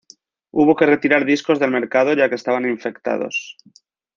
Hubo que retirar discos del mercado ya que estaban infectados.